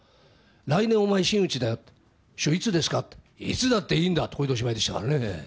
来年、お前真打ちだよ師匠いつですか？っていつだっていいんだってこれでおしまいでしたから。